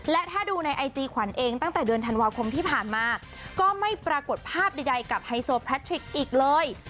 และถ้าดูในไอจีขวัญเองตั้งแต่เดือนธันวาคมที่ผ่านมาก็ไม่ปรากฏภาพใดกับไฮโซแพลทริกอีกเลย